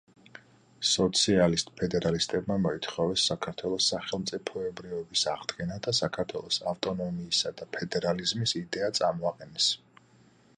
სოციალისტ-ფედერალისტებმა მოითხოვეს საქართველოს სახელმწიფოებრიობის აღდგენა და საქართველოს ავტონომიისა და ფედერალიზმის იდეა წამოაყენეს.